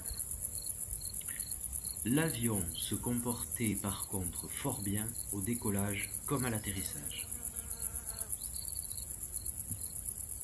L’avion se comportait par contre fort bien au décollage comme à l’atterrissage.